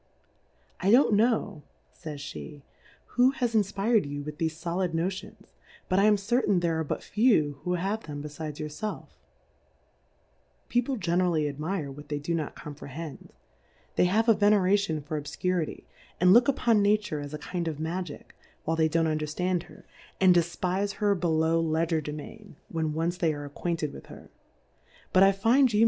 I don't know, fays flie, who has in fpir'd you with thefe folid Notions, but I am certain there are but few who 'have them befides your felf, People ge nerally admire what they do not com prehend, they have a Veneration for Obfcurity, and look upon Nature, as a kind of Magick, while they don't un derftand her, and defpife her below Le gerdemain, when once they arc ac quainted with her; but I find you.